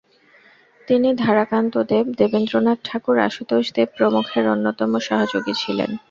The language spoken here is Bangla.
তিনি রাধাকান্ত দেব, দেবেন্দ্রনাথ ঠাকুর, আশুতোষ দেব প্রমুখের অন্যতম সহযোগী ছিলেন।